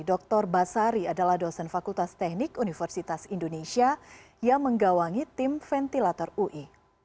dr basari adalah dosen fakultas teknik universitas indonesia yang menggawangi tim ventilator ui